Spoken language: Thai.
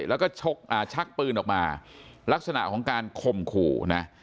แล้วก็ชักปืนออกมาลักษณะของการข่มขู่นะ